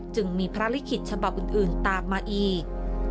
จึงมีภารกิจฉบับอื่นตามมาอีก